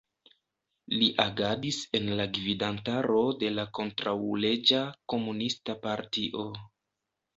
Li agadis en la gvidantaro de la kontraŭleĝa komunista partio.